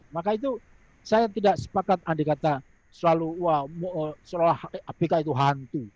maka itu saya tidak sepakat andai kata selalu bki itu hantu